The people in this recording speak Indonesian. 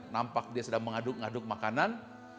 nampak dia sedang mengaduk ngaduk makanan